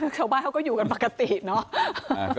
ชาวบ้านเขาก็อยู่กันปกติเนาะ